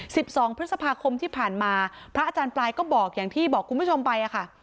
สิบสองพฤษภาคมที่ผ่านมาพระอาจารย์ปลายก็บอกอย่างที่บอกคุณผู้ชมไปอ่ะค่ะ